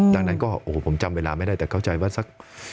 ดังนั้นก็ผมจำเวลาไม่ได้แต่เข้าใจว่า๑๕๐๐บาท